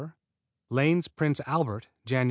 Lane's Prince Albert Jan.